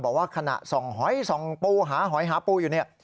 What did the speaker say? บอกว่าขณะส่องหอยส่องปูหาหอยหาปูอยู่เนี่ย